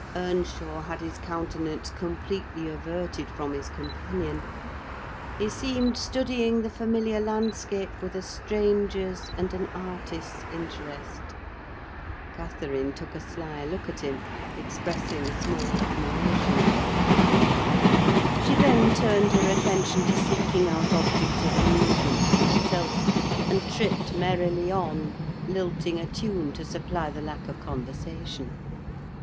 Earnshaw had his countenance completely averted from his companion. He seemed studying the familiar landscape with a stranger's and an artist's interest. Catherine took a sly look at him, expressing small admiration. She then turned her attention to seeking out objects of amusement for herself, and tripped merrily on, lilting a tune to supply the lack of conversation.